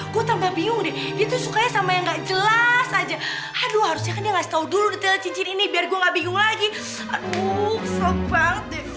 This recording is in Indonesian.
gue tambah bingung deh dia tuh sukanya sama yang gak jelas aja aduh harusnya kan dia ngasih tau dulu detail cincin ini biar gue gak bingung lagi aduh kesel banget deh